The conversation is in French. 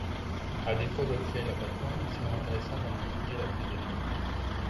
À défaut de créer la plateforme, il serait intéressant d’en étudier la faisabilité.